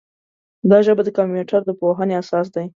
دا ژبه د کمپیوټر د پوهې اساس دی.